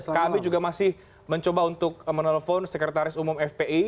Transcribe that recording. kami juga masih mencoba untuk menelpon sekretaris umum fpi